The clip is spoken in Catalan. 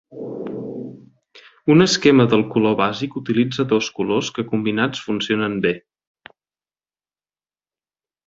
Un esquema del color bàsic utilitza dos colors que combinats funcionen bé.